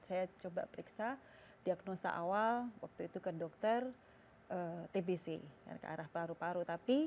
saya coba periksa diagnosa awal waktu itu ke dokter tbc yang ke arah paru paru tapi